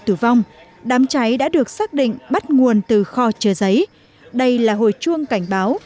tử vong đám cháy đã được xác định bắt nguồn từ kho chứa giấy đây là hồi chuông cảnh báo